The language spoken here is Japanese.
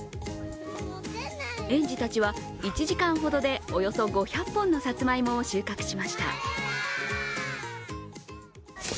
園児たちは、１時間ほどでおよそ５００本のさつまいもを収穫しました。